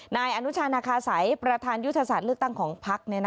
นายอนุชานาคาสัยประธานยุทธศาสตร์เลือกตั้งของพัก